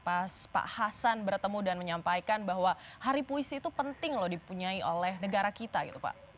pas pak hasan bertemu dan menyampaikan bahwa hari puisi itu penting loh dipunyai oleh negara kita gitu pak